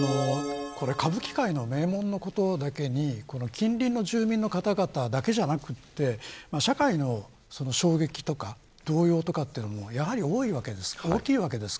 歌舞伎界の名門のことだけに近隣の住民の方々だけじゃなくて社会の衝撃とか同様とかいうのもやはり多いわけです。